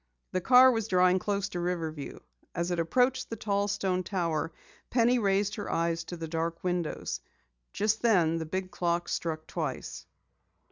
The car was drawing close to Riverview. As it approached the tall stone tower, Penny raised her eyes to the dark windows. Just then the big clock struck twice.